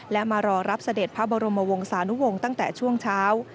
และมารอรับเสด็จพระบรมวงศานุวงศ์ตั้งแต่ช่วงเช้า